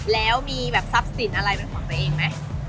แล้วมีแบบทรัพย์สินอะไรเป็นของตัวเองไหม